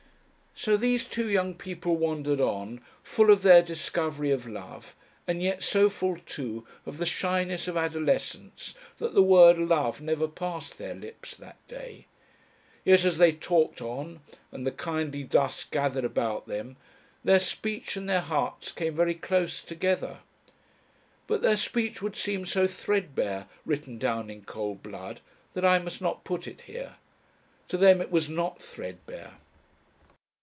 So these two young people wandered on, full of their discovery of love, and yet so full too of the shyness of adolescence that the word "Love" never passed their lips that day. Yet as they talked on, and the kindly dusk gathered about them, their speech and their hearts came very close together. But their speech would seem so threadbare, written down in cold blood, that I must not put it here. To them it was not threadbare.